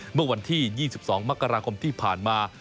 เมื่อวันที่๒๒มกราคมที่ผ่านมา